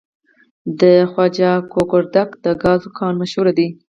د خواجه ګوګردک د ګازو کان مشهور دی.